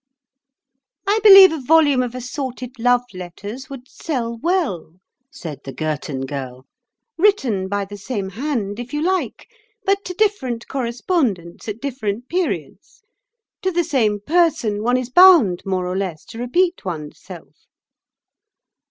"I believe a volume of assorted love letters would sell well," said the Girton Girl; "written by the same hand, if you like, but to different correspondents at different periods. To the same person one is bound, more or less, to repeat oneself."